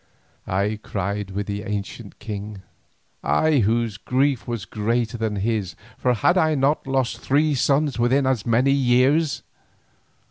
I cried with the ancient king—I whose grief was greater than his, for had I not lost three sons within as many years?